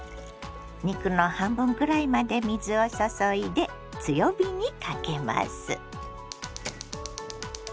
肉の半分くらいまで水を注いで強火にかけます。